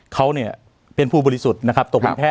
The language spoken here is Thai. เขาเนี่ยเป็นผู้บริสุทธิ์นะครับตกเป็นแพท